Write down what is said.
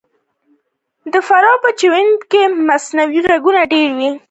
د فراه په جوین کې د مسو نښې شته.